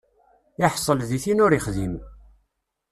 Iḥṣel di tin ur ixdim.